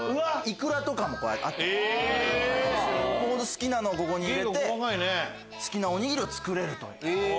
好きなのをここに入れて好きなおにぎりを作れるという。